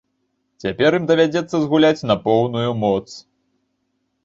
Цяпер ім давядзецца згуляць на поўную моц.